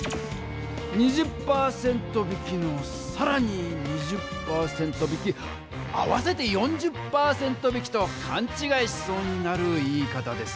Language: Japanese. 「２０％引きのさらに２０％引き」合わせて４０％引きとかんちがいしそうになる言い方です。